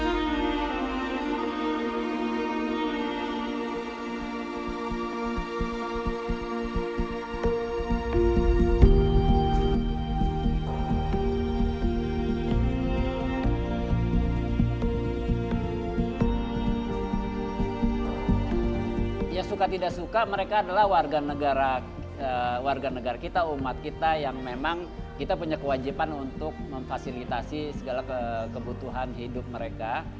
yang suka tidak suka mereka adalah warga negara kita umat kita yang memang kita punya kewajiban untuk memfasilitasi segala kebutuhan hidup mereka